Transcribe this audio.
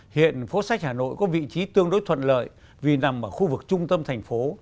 hiện phố sách hà nội có vị trí tương đối thuận lợi vì nằm ở khu vực trung tâm thành phố